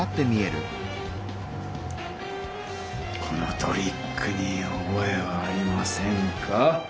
このトリックにおぼえはありませんか？